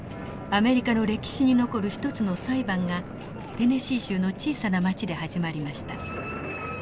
アメリカの歴史に残る一つの裁判がテネシー州の小さな町で始まりました。